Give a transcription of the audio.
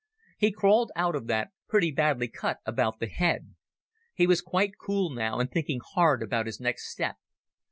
He crawled out of that, pretty badly cut about the head. He was quite cool now and thinking hard about his next step.